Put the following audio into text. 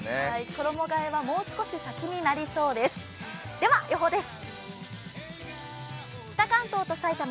衣がえはもう少し先になりそうです。